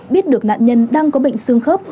biết được nạn nhân đang có bệnh xương khớp